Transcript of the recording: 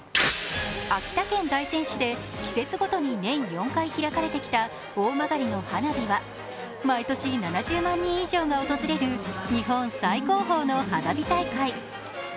秋田県大仙市で季節ごとに年４回開かれてきた大曲の花火は毎年７０万人以上が訪れる日本最高峰の花火大会。